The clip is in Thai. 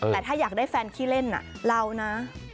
แต่ถ้าอยากได้แฟนขี้เล่นเรานะ